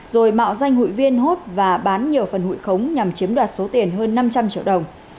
rồi mạo danh hụi viên hốt và bán nhiều phần hụi khống nhằm chiếm đoạt số tiền hơn năm trăm linh triệu đồng